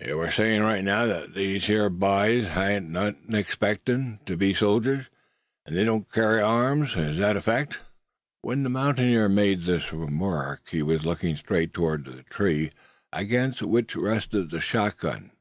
"Yuh war sayin' right now, thet these hyar byes hain't never 'xpectin' ter be sojers; an' thet they don't kerry arms; air thet a fack?" When the mountaineer made this remark he was looking straight toward the tree, against which rested the shotgun.